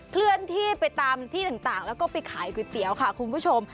เคลื่อนที่ไปตามที่ต่างแล้วก็ไปขายก๋วยเตี๋ยวค่ะคุณผู้ชม